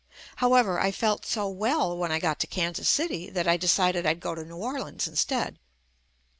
However, I felt so well when I got to Kansas City that I decided I'd go to New Orleans in stead.